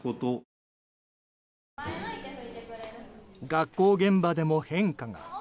学校現場でも変化が。